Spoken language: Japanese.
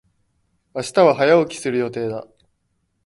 明日は早起きする予定だ。